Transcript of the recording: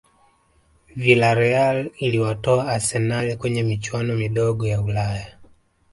Vilareal iliwatoa arsenal kwenye michuano midogo ya ulaya